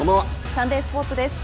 サンデースポーツです。